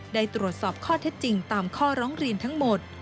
ได้ตรวจสอบข้อเท็จจริงตามข้อร้องเรียนทั้งหมด